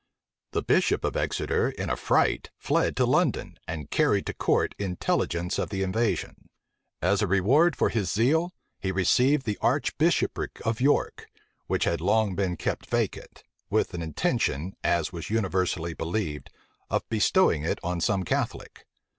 The bishop of Exeter in a fright fled to London and carried to court intelligence of the invasion. As a reward of his zeal, he received the archbishopric of York, which had long been kept vacant, with an intention, as was universally believed, of bestowing it on some Catholic.